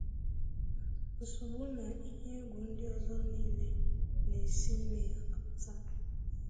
nsogbu na ihe egwu ndị ọzọ niile na-si ime ya apụta